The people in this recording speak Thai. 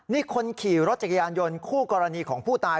นี่คนขี่รถจักรยานยนต์คู่กรณีของผู้ตาย